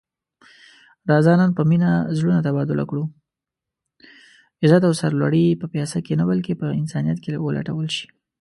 عزت او سر لوړي په پيسه کې نه بلکې په انسانيت کې ولټول شي.